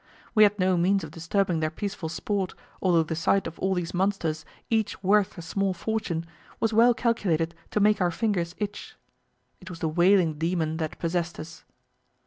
We had no means of disturbing their peaceful sport, although the sight of all these monsters, each worth a small fortune, was well calculated to make our fingers itch. It was the whaling demon that possessed us.